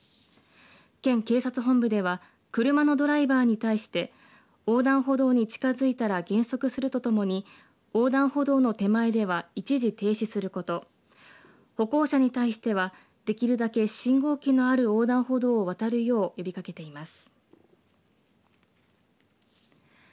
県警察本部では車のドライバーに対して横断歩道に近づいたら減速するとともに横断歩道の手前では一時停止すること歩行者に対してはできるだけ信号機のある横断歩道を渡るよう呼びかけています。